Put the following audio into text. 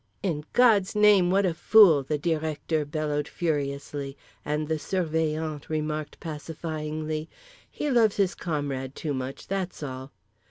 "In God's Name, what a fool!" the Directeur bellowed furiously—and the Surveillant remarked pacifyingly: "He loves his comrade too much, that's all."